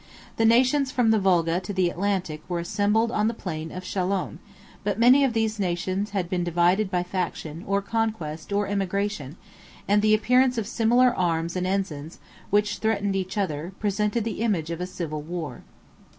The nations from the Volga to the Atlantic were assembled on the plain of Chalons; but many of these nations had been divided by faction, or conquest, or emigration; and the appearance of similar arms and ensigns, which threatened each other, presented the image of a civil war.